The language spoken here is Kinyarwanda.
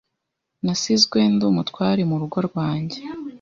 Nasizwe, Ndi umutware murugo rwanjye